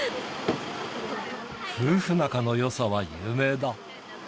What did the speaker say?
夫婦仲のよさは有名だ。